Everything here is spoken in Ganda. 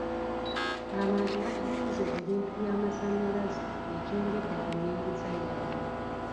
Abantu batunze ebintu by'amasannyalaze ekyongedde ku nnyingiza yaabwe.